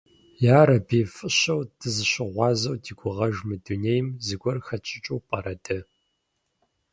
Ярэби, фӏыщэу дызыщыгъуазэу ди гугъэж мы дунейм зыгуэр хэтщӏыкӏыу пӏэрэ дэ?